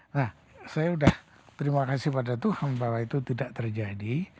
nah saya sudah terima kasih pada tuhan bahwa itu tidak terjadi